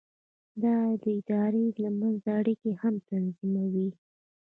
دا د ادارو خپل منځي اړیکې هم تنظیموي.